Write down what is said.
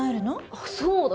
あっそうだ。